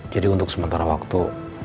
jadi untuk sementara waktu